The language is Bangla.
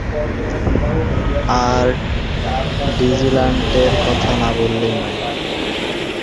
আর ভিজিলান্টের কথা না বললেই নয়।